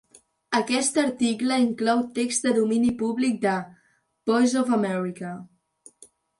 Aquest article inclou text de domini públic de "Voice of America".